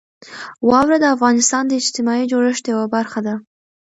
واوره د افغانستان د اجتماعي جوړښت یوه برخه ده.